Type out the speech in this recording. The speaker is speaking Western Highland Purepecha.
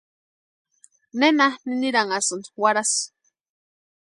¿Nena niniranhasïnki warhasï?